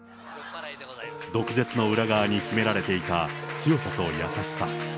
毒舌の裏側に秘められていた強さと優しさ。